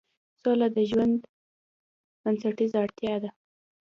سوله د ژوند بنسټیزه اړتیا ده